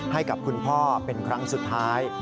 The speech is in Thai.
ให้กับคุณพ่อเป็นครั้งสุดท้าย